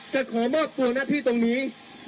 จะขอมอบตัวหน้าที่ตรงนี้